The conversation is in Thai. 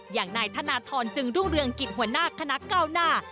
อย่างนายธนทรจึงรุ่งเรืองกิจหัวหน้าคณะเก้าหน้า